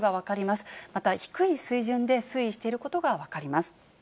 また、低い水準で推移していることが分かります。